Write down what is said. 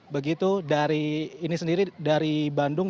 begitu dari ini sendiri dari bandung